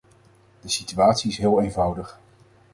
De situatie is heel eenvoudig.